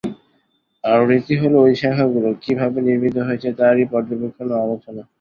আর রীতি হলো ওই শাখাগুলো কীভাবে নির্মিত হয়েছে তারই পর্যবেক্ষণ ও আলোচনা।